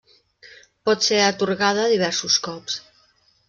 Pot ser atorgada diversos cops.